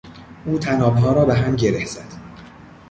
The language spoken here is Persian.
او طنابها را به هم گره زد.